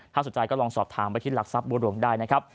ถ้าสนใจก็ลองสอบถามไปที่หลักทรัพย์บัวหลวงได้นะครับ